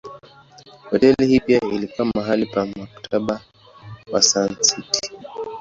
Hoteli hii pia ilikuwa mahali pa Mkataba wa Sun City.